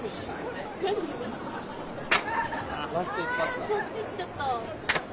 あそっち行っちゃった。